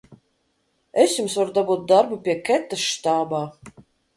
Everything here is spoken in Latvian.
Es Jums varu dabūt darbu pie Ketas štābā!